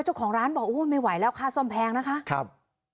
เจ้าของร้านบอกโอ้ยไม่ไหวแล้วค่าซ่อมแพงนะคะครับ